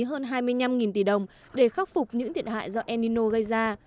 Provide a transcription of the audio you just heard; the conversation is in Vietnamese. hơn hai mươi năm tỷ đồng để khắc phục những thiệt hại do enino gây ra